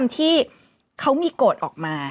ที่เขามีโกรธออกมา